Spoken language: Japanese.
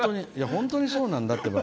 本当にそうなんだってば。